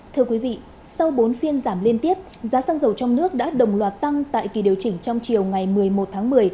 thưa quý vị sau bốn phiên giảm liên tiếp giá xăng dầu trong nước đã đồng loạt tăng tại kỳ điều chỉnh trong chiều ngày một mươi một tháng một mươi